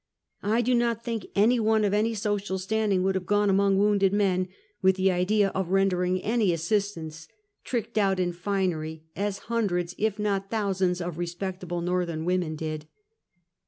I do not think any one of an}' social standing would have gone among wounded men, with the idea of rendering any assistance, tricked out in finery, as hundreds, if not thousands, of respectable Northern women did.